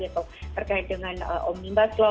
terkait dengan om mimbaslo